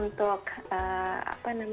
ini kan musimnya kan panas gitu